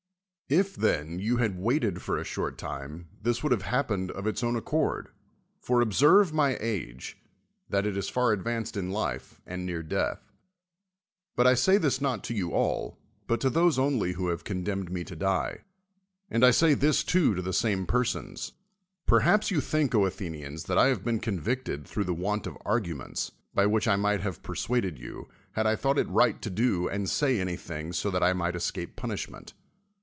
If, then, you had waited for a short time, this would have happened of its own accord ; for observe my age, that it is far advanced in life, and near death. But I say this not to you all, but to those only who have condemned mc to die. And I say this too to the same persons. Perhaps you think, Athenians, tliat I have been convicted through the vv'ant of arguments, by which I might have peivsuadcd you, had I thought it right to do and say anything so that I might escape punishment.